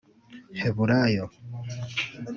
Heburayo